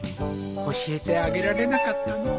教えてあげられなかったのう。